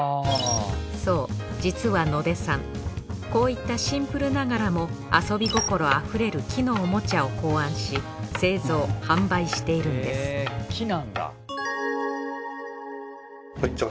そう実は野出さんこういったシンプルながらも遊び心あふれる木のおもちゃを考案し製造販売しているんですじゃあ